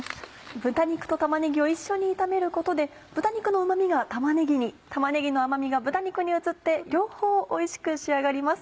豚肉と玉ねぎを一緒に炒めることで豚肉のうま味が玉ねぎに玉ねぎの甘みが豚肉に移って両方おいしく仕上がります。